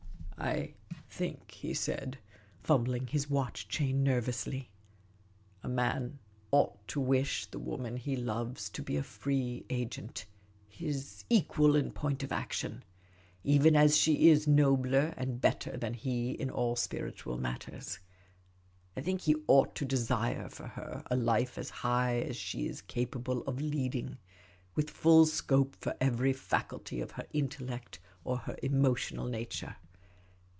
" I think," he said, fumbling his watch chain nervously, " a man ought to wish the woman he loves to be a free agent, his equal in point of action, even as she is nobler and better than he in all spiritual matters. I think he ought to desire for her a life as high as she is capable of leading, with full scope for every faculty of her intellect or her emotional nature.